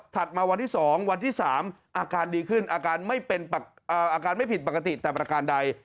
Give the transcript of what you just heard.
ถัดมาวันที่๒วันที่๓อาการดีขึ้นอาการไม่ผิดปกติแต่ประการใด